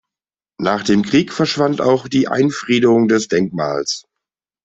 Nach dem Krieg verschwand auch die Einfriedung des Denkmals.